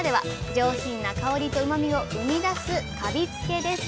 上品な香りとうまみを生み出す「カビつけ」です。